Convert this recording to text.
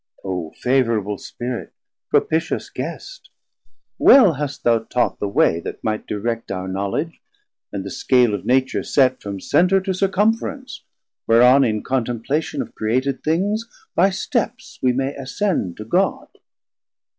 O favourable spirit, propitious guest, Well hast thou taught the way that might direct Our knowledge, and the scale of Nature set From center to circumference, whereon 510 In contemplation of created things By steps we may ascend to God.